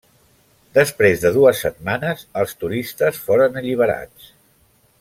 Després de dues setmanes els turistes foren alliberats.